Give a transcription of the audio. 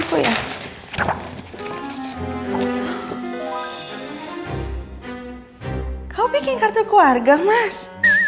kau bikin kartu keluarga mas